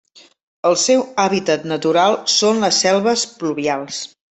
El seu hàbitat natural són les selves pluvials.